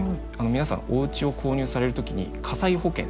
皆さんおうちを購入される時に火災保険。